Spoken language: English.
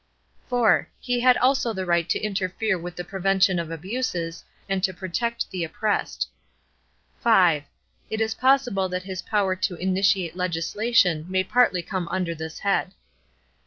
(4) He had also the right to interfere for the prevention of abuses, and to protect the oppressed. (5) It is possible that his power to initiate legislation may partly come under this head.